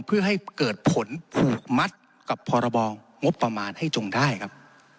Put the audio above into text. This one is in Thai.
เพื่อให้เกิดผลผูกมัดกับพรบงบประมาณให้จงได้ครับ